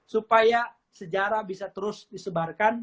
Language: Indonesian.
supaya sejarah bisa terus disebarkan